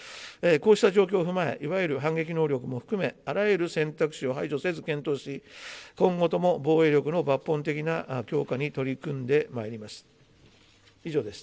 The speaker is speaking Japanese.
こうした状況を踏まえ、いわゆる反撃能力も含め、あらゆる選択肢を排除せず検討し、今後とも防衛力の抜本的な強化に取り組んでまいります。